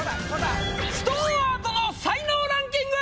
ストーンアートの才能ランキング！